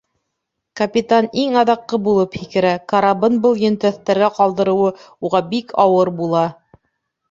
Капитан иң аҙаҡҡы булып һикерә; карабын был йөнтәҫтәргә ҡалдырыуы уға бик ауыр була.